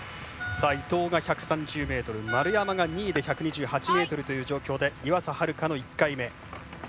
伊藤が１３０ｍ、丸山が２位で１２８ｍという状況で岩佐明香の１回目。